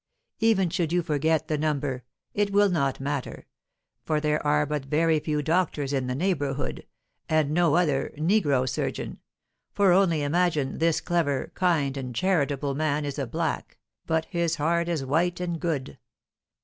Even should you forget the number, it will not matter, for there are but very few doctors in the neighbourhood, and no other negro surgeon, for, only imagine, this clever, kind, and charitable man is a black, but his heart is white and good.